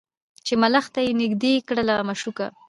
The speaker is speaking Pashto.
چي ملخ ته یې نیژدې کړله مشوکه